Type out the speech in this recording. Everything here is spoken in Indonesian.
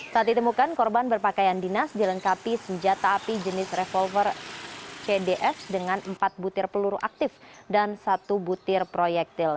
saat ditemukan korban berpakaian dinas dilengkapi senjata api jenis revolver cdf dengan empat butir peluru aktif dan satu butir proyektil